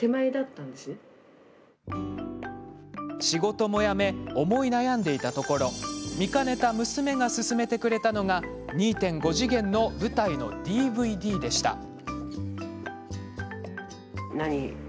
仕事も辞め思い悩んでいたところ見かねた娘が勧めてくれたのが２．５次元の舞台のＤＶＤでした。